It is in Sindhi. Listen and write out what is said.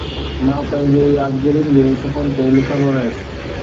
مان پنهنجي يادگيرين جي صفحن تي لکندو رهيس